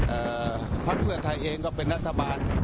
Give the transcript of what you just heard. เอ่อภัคถึงไทยเองก็เป็นนัฑบาล